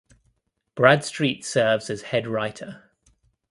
Bradstreet serves as head writer.